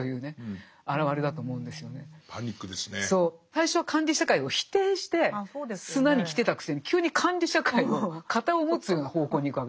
最初は管理社会を否定して砂に来てたくせに急に管理社会の肩を持つような方向に行くわけですよ。